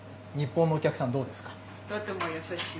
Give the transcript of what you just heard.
とても優しい。